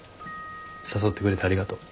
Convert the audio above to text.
誘ってくれてありがとう。